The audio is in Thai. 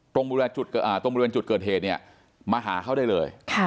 ตรงบริเวณจุดอ่าตรงบริเวณจุดเกิดเหตุเนี้ยมาหาเขาได้เลยค่ะ